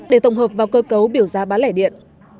để tổng hợp vào cơ cấu biểu giá bán lẻ điện